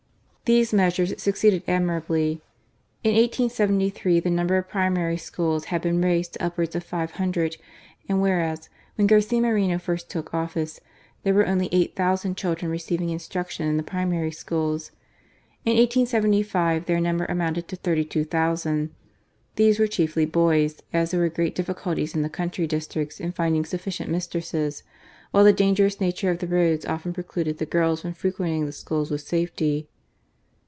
These measures succeeded admirably. In 1873, the number of primary schools had been raised to upwards of five hundred: and ■whereas, when Garcia Moreno first took office, there were only eight thousand children receiving instruc tion in the primary schools, in 1875 their number amounted to thirty two thousand. These were chiefly boys, as there were great difliculties in the country districts in finding sufficient mistresses ; while the dangerous nature of the roads often pre cluded the girls from frequenting the schools with safety.